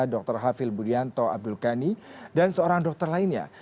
dr hafil budianto abdul kani dan seorang dokter lainnya